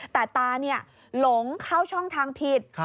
แต่ตาหลงเข้าช่องทางผิด